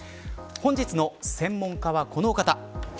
本日の専門家は、このお方。